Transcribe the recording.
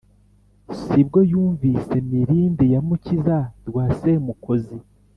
si bwo yumvise mirindi ya mukiza wa semukozi,